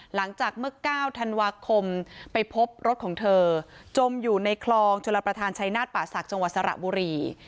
หลังจากเมื่อ๙ธันวาคมไปพบรถของเธอจมอยู่ในคลองชลประธานชายนาฏป่าศักดิ์จังหวัดสระบุรี